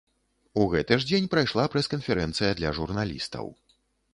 У гэты ж дзень прайшла прэс-канферэнцыя для журналістаў.